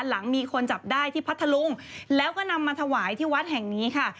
หลังมีคนจับได้ที่พัทธลุงแล้วก็นำมาถวายที่วัดแห่งนี้ค่ะ